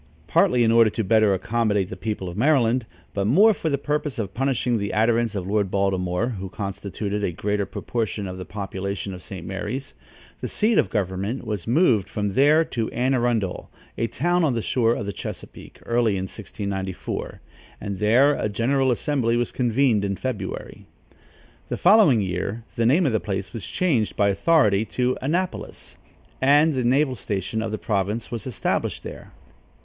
Partly in order to better accommodate the people of Maryland, but more for the purpose of punishing the adherents of Lord Baltimore, who constituted a greater proportion of the population of St. Mary's, the seat of government was moved from there to Anne Arundel, a town on the shore of the Chesapeake, early in 1694, and there a general assembly was convened in February. The following year, the name of the place was changed by authority to Annapolis, and the naval station of the province was established there.